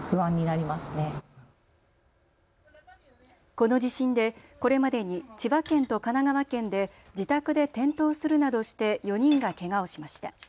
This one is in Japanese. この地震でこれまでに千葉県と神奈川県で自宅で転倒するなどして４人がけがをしました。